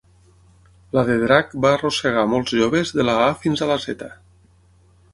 La de drac va arrossegar molts joves de la a fins a la zeta.